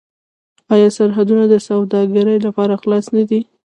آیا سرحدونه د سوداګرۍ لپاره خلاص نه دي؟